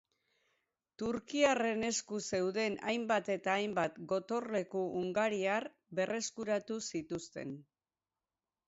Turkiarren esku zeuden hainbat eta hainbat gotorleku hungariar berreskuratu zituzten.